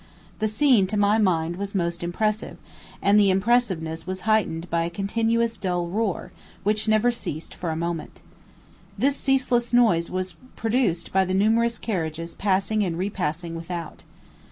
The scene to my mind was most impressive, and the impressiveness was heightened by a continuous dull roar, which never ceased for a moment. This ceaseless noise was produced by the numerous carriages passing and repassing without.